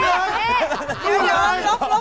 เดี๋ยวลบ